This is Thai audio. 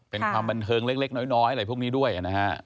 เป็นความบันเทิงเล็กน้อยอะไรพวกนี้ด้วยนะฮะ